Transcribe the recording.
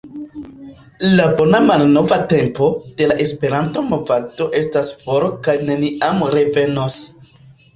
la “bona malnova tempo” de la Esperanto-movado estas for kaj neniam revenos.